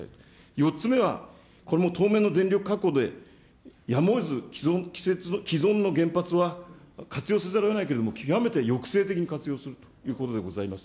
４つ目は、これも当面の電力確保でやむを得ず既存の原発は活用せざるをえないけれども、極めて抑制的に活用するということでございます。